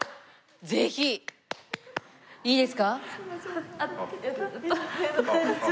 ぜひ！いいですか？